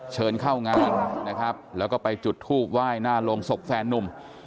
เชิญเข้างานนะครับแล้วก็ไปจุดทูบไหว้หน้าโรงศพแฟนนุ่ม